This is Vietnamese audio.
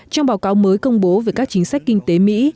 trong báo cáo mới công bố về các chính sách kinh tế mỹ